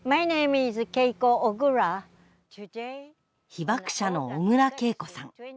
被爆者の小倉桂子さん。